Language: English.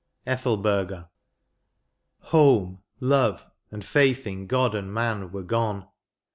ETHELBER6A. Home, love, and faith in God and man were gone.